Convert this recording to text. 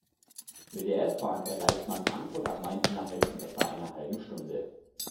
Mit der S-Bahn erreicht man Frankfurt am Main innerhalb von etwa einer halben Stunde.